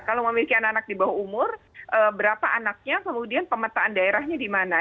kalau memiliki anak anak di bawah umur berapa anaknya kemudian pemetaan daerahnya di mana